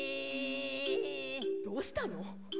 どうしたの？